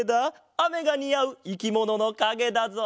あめがにあういきもののかげだぞ。